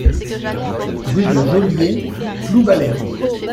Rue de Joliet, Ploubalay